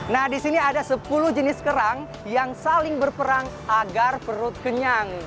nah di sini ada sepuluh jenis kerang yang saling berperang agar perut kenyang